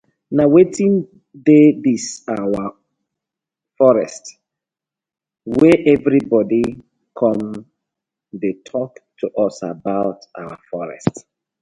Na wetin dey dis our wey everi bodi com to tok to us abour our forest.